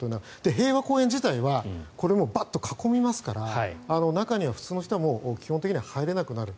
平和公園自体はこれもバッと囲みますから中には普通の人は基本的には入れなくなる。